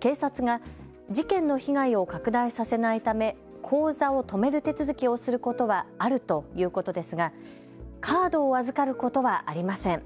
警察が事件の被害を拡大させないため口座を止める手続きをすることはあるということですがカードを預かることはありません。